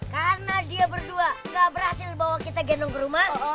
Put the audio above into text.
karena dia berdua gak berhasil bawa kita gendong ke rumah